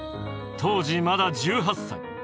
当時まだ１８歳。